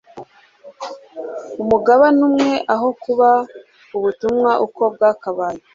umugabane umwe, aho kuba ubutumwa uko bwakabaye